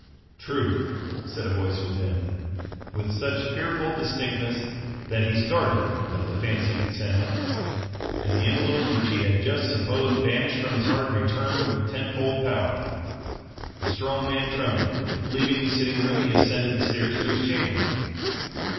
"TRUTH," said a voice within, with such fearful distinctness that he started at the fancied sound; and the influence which he had just supposed banished from his heart returned with ten fold power. The strong man trembled. Leaving the sitting room, he ascended the stairs to his chamber.